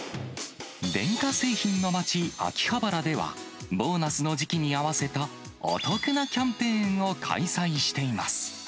電化製品の街、秋葉原では、ボーナスの時期に合わせたお得なキャンペーンを開催しています。